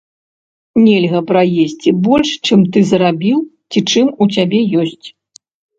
Нельга праесці больш, чым ты зарабіў ці чым у цябе ёсць.